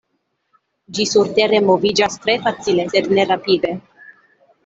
Ĝi surtere moviĝas tre facile, sed ne rapide.